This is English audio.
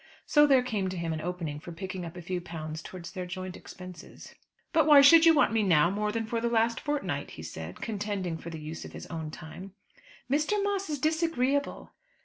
So there came to him an opening for picking up a few pounds towards their joint expenses. "But why should you want me now, more than for the last fortnight?" he said, contending for the use of his own time. "Mr. Moss is disagreeable."